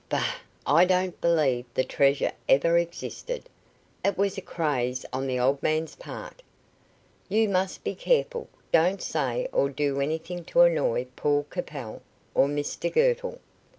"Bah! I don't believe the treasure ever existed. It was a craze on the old man's part." "You must be careful. Don't say or do anything to annoy Paul Capel or Mr Girtle.